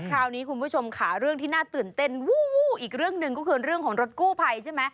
คราวนี้คุณผู้ชมขาเรื่องที่น่าตื่นเต้นอีกเรื่องหนึ่งก็คือเรื่องของรถกู้ไพรใช่ไหม